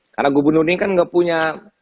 karena gubernur ini kan gak punya